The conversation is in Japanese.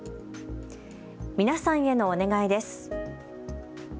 皆さんへのお願いです。